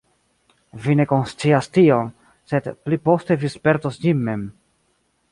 Vi ne konscias tion, sed pli poste vi spertos ĝin mem.